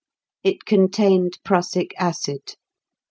It contained prussic acid.